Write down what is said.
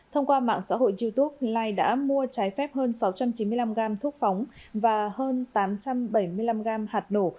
thông qua mạng xã hội youtube lai đã mua trái phép hơn sáu trăm chín mươi năm gram thuốc phóng và hơn tám trăm bảy mươi năm gram hạt nổ